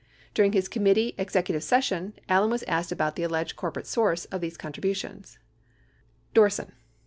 During his committee executive session, Allen was asked about the alleged corporate source of the contributions : Dorsen.